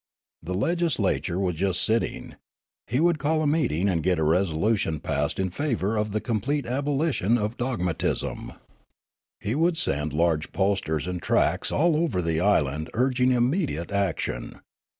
The legislature was just sitting. He would call a meeting and get a resolution passed in favour of the complete abolition of dogmatism. He 194 Riallaro would send large posters and tracts all over the island urging immediate action.